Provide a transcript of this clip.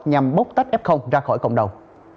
nhằm bốc tách f ra khỏi cộng đồng